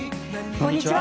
こんにちは。